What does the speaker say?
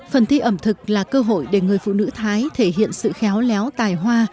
phần thi ẩm thực là cơ hội để người phụ nữ thái thể hiện sự khéo léo tài hoa